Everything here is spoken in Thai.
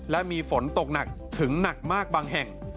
และมีฝนตกหนักถึงหนักมากบางแห่ง